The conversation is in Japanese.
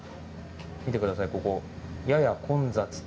見てください、ここ、やや混雑と。